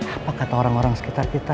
apa kata orang orang sekitar kita